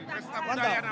pesta budaya namanya